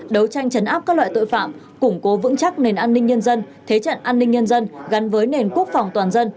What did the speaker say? đấu tranh chấn áp các loại tội phạm củng cố vững chắc nền an ninh nhân dân thế trận an ninh nhân dân gắn với nền quốc phòng toàn dân